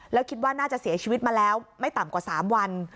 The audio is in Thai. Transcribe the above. แล้วคิดว่าน่าจะเสียชีวิตมาแล้วไม่ต่ำกว่า๓วัน